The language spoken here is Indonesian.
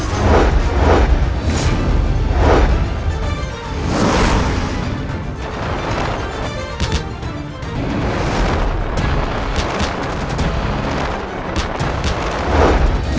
tidak semudah itu mengelabuhiku